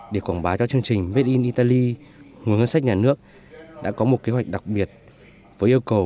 để quảng bá cho chương trình made in italy nguồn ngân sách nhà nước đã có một kế hoạch đặc biệt với yêu cầu